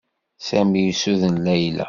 Sami yessuden Layla.